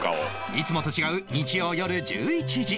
いつもと違う日曜よる１１時